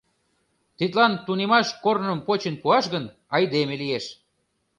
Тидлан тунемаш корным почын пуаш гын, айдеме лиеш.